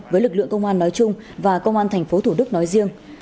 với lực lượng công an nói chung và công an tp thủ đức nói riêng